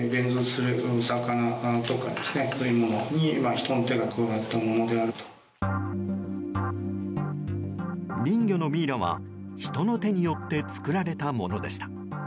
人魚のミイラは人の手によって作られたものでした。